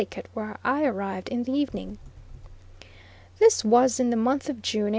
where I arrived in the evening. This was in the month of June, 1854.